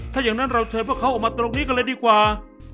ถ้าอย่างนั้นเราเชิญพวกเขาออกมาตรงนี้กันเลยดีกว่า